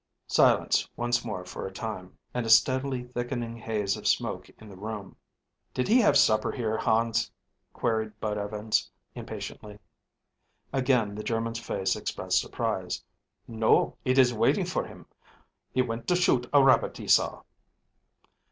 Silence once more for a time, and a steadily thickening haze of smoke in the room. "Did he have supper, Hans?" queried Bud Evans, impatiently. Again the German's face expressed surprise. "No, it is waiting for him. He went to shoot a rabbit he saw."